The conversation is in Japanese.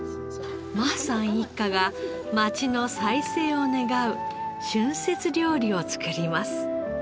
馬さん一家が街の再生を願う春節料理を作ります。